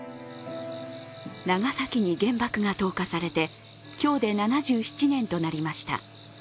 長崎に原爆が投下されて今日で７７年となりました。